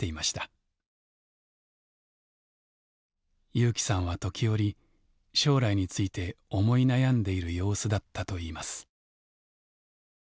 有希さんは時折将来について思い悩んでいる様子だったといいます。